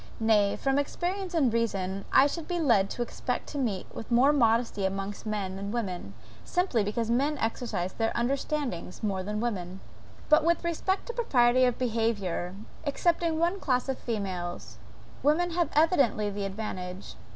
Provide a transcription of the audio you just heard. Nay, from experience, and reason, I should be lead to expect to meet with more modesty amongst men than women, simply because men exercise their understandings more than women. But, with respect to propriety of behaviour, excepting one class of females, women have evidently the advantage.